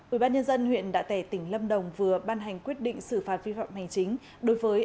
ubnd huyện đạ tẻ tỉnh lâm đồng vừa ban hành quyết định xử phạt vi phạm hành chính đối với